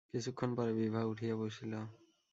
কিছুক্ষণ পরে বিভা উঠিয়া বসিল।